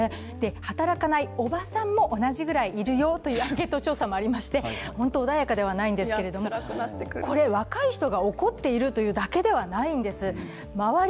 働かないおばさんも同じぐらいいるよというアンケート調査もありまして、ホント穏やかではないんですけど、これ、怒っている若い人がいるというだけではないんです。